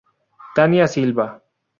Tania Silva.